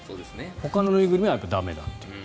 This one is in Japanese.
ほかの縫いぐるみは駄目だという。